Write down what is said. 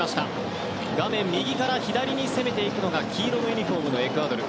画面右から左に攻めていくのが黄色のユニホーム、エクアドル。